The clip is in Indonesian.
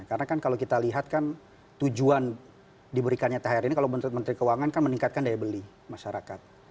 karena kan kalau kita lihat kan tujuan diberikannya thr ini kalau menurut menteri keuangan kan meningkatkan daya beli masyarakat